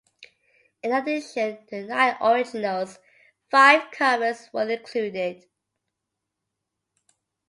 In addition to nine originals, five covers were included.